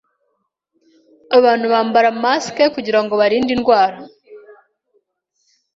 Abantu bambara masike kugirango birinde indwara.